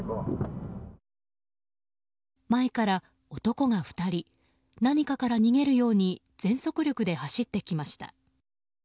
前から男が２人何かから逃げるように全速力で走ってきました。